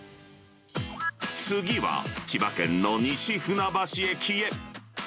次は、千葉県の西船橋駅へ。